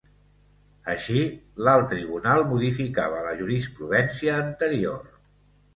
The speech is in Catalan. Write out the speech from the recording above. Així, l’alt tribunal modificava la jurisprudència anterior.